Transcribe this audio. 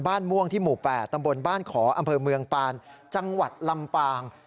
ม่วงที่หมู่๘ตำบลบ้านขออำเภอเมืองปานจังหวัดลำปาง